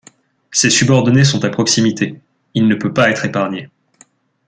Ses subordonnés sont à proximité, il ne peut pas être épargné.